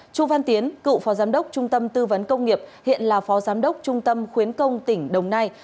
chu văn tiến cựu phó giám đốc trung tâm tư vấn công nghiệp hiện là phó giám đốc trung tâm khuyến công tỉnh đồng nai